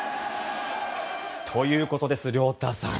ということです、亮太さん。